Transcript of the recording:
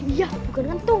iya bukan kentung